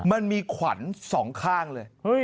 มันมีขวัญสองข้างเลย